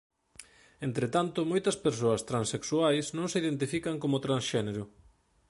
Entre tanto moitas persoas transexuais non se identifican como transxénero.